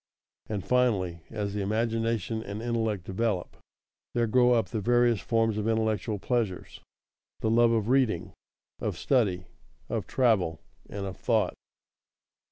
And finally, as the imagination and intellect develop, there grow up the various forms of intellectual pleasures the love of reading, of study, of travel, and of thought.